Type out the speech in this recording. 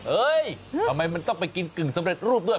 ทำไมมันต้องไปกินกึ่งสำเร็จรูปด้วย